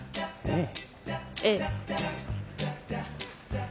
ええ。